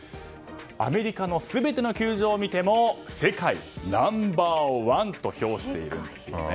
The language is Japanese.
アメリカの全ての球場を見ても世界ナンバー１と評しているんです。